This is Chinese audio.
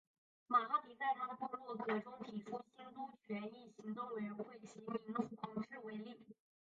马哈迪在他的部落格中提出兴都权益行动委员会及黄明志为例子。